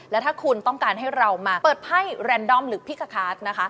และถ้าคุณต้องการให้เรามาเปิดไพ่แรนดอมหรือพี่คาร์ดนะคะ